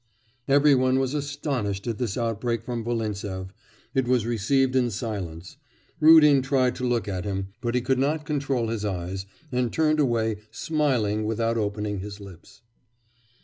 Everyone was astonished at this outbreak from Volintsev; it was received in silence. Rudin tried to look at him, but he could not control his eyes, and turned away smiling without opening his lips.